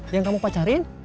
yang kamu pacarin